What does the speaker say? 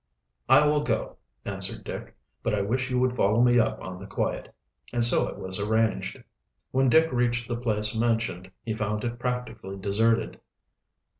"I will go," answered Dick, "but I wish you would follow me up on the quiet," and so it was arranged. When Dick reached the place mentioned he found it practically deserted.